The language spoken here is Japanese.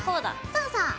そうそう。